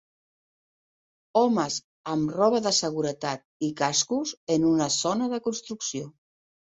Homes amb roba de seguretat i cascos en una zona de construcció.